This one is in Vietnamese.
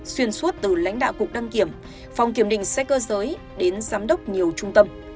xuyên suốt từ lãnh đạo cục đăng kiểm phòng kiểm định xe cơ giới đến giám đốc nhiều trung tâm